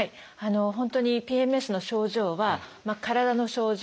本当にＰＭＳの症状は体の症状